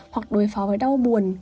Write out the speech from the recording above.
hoặc đối phó với đau buồn